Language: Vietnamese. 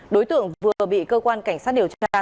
đối tượng vừa bị cơ quan cảnh sát điều tra